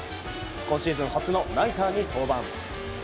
今シーズン初のナイターに登板。